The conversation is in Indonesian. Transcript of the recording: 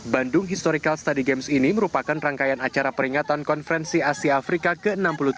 bandung historical study games ini merupakan rangkaian acara peringatan konferensi asia afrika ke enam puluh tiga